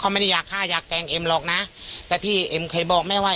ไม่ได้อยากฆ่าอยากแกล้งเอ็มหรอกนะแต่ที่เอ็มเคยบอกแม่ว่า